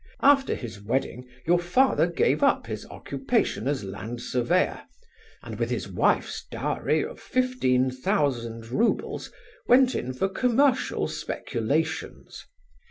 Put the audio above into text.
After his wedding your father gave up his occupation as land surveyor, and with his wife's dowry of fifteen thousand roubles went in for commercial speculations.